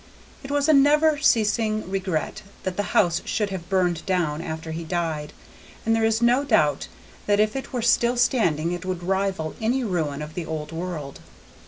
It was a never ceasing regret that his house should have burned down after he died, and there is no doubt that if it were still standing it would rival any ruin of the Old World.